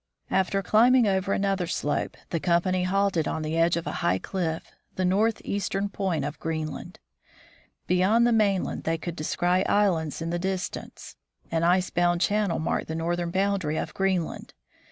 After climbing over another slope, the company halted on the edge of a high cliff, the northeastern point of Green land. Beyond the mainland they could descry islands in the distance. An icebound channel marked the northern boundary of Greenland.